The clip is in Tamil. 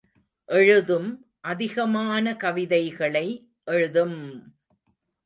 எழுதும் அதிகமான கவிதைகளை எழுதும்!